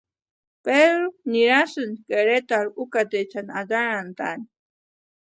Pedru nirasti Queretarhu ukateechani atarantʼaani.